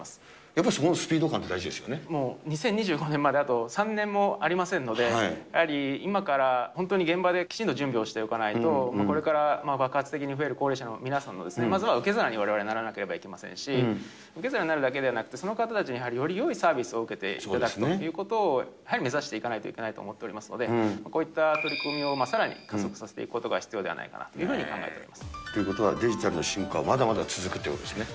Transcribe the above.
やっぱりそこのスピード感っもう２０２５年まで、あと３年もありませんので、今から本当に現場できちんと準備をしておかないと、これから爆発的に増える高齢者の皆さんのまずは受け皿にわれわれならなければいけませんし、受け皿になるだけではなくて、その方たちにやはりよりよいサービスを受けていただくということを、目指していかないといけないと思っていますので、こういった取り組みをさらに加速させていくことが必要ではないかなというふうにということはデジタルの進化はまだまだ続くということですね。